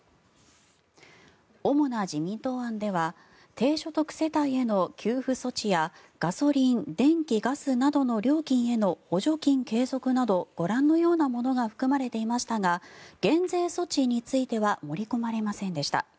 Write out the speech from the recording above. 主な自民党案では低所得世帯への給付措置やガソリン、電気・ガスなどの料金への補助金継続などご覧のようなものが含まれていましたが減税措置については盛り込まれませんでした。